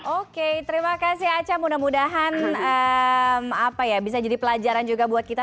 oke terima kasih aca mudah mudahan bisa jadi pelajaran juga buat kita